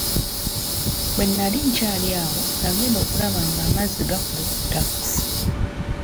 Bwe nnali nkyali awo nagenda okulaba nga amazzi gakulukuta.